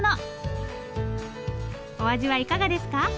お味はいかがですか？